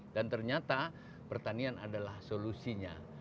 dan ternyata pertanian adalah solusinya